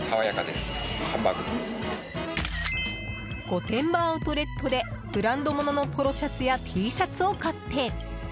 御殿場アウトレットでブランドもののポロシャツやＴシャツを買って。